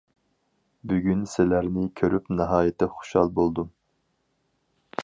بۈگۈن سىلەرنى كۆرۈپ ناھايىتى خۇشال بولدۇم.